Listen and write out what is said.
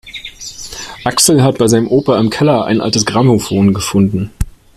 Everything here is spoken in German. Axel hat bei seinem Opa im Keller ein altes Grammophon gefunden.